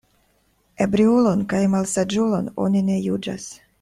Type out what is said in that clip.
Ebriulon kaj malsaĝulon oni ne juĝas.